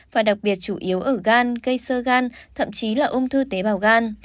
và đặc biệt chủ yếu ở gan gây sơ gan thậm chí là ung thư tế bào gan